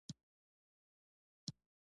غوږونه د لیک لوست پیل کوي